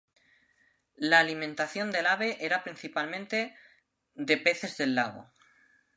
La alimentación del ave era principalmente de peces del lago.